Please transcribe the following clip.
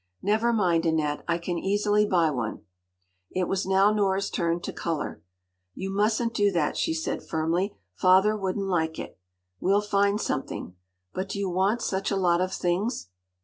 “Never mind, Annette, I can easily buy one.” It was now Nora’s turn to colour. “You mustn’t do that,” she said firmly. “Father wouldn’t like it. We’ll find something. But do you want such a lot of things?